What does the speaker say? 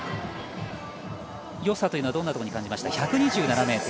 よさというのはどんなところに感じました？